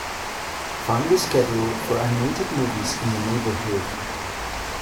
Find the schedule for animated movies in the neighbourhood.